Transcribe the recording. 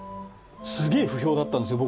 すげえ不評だったんですよ